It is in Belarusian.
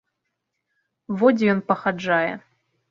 Во дзе ён пахаджае!